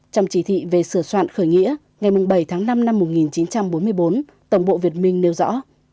trong chỉ thị về sửa soạn khởi nghĩa ngày bảy tháng năm năm một nghìn chín trăm bốn mươi bốn tổng bộ việt minh nêu rõ